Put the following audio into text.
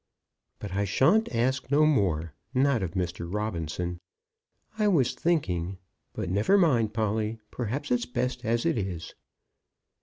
But I shan't ask no more, not of Mr. Robinson. I was thinking . But never mind, Polly. Perhaps it's best as it is."